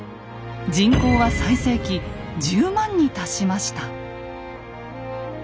人口は最盛期１０万に達しました。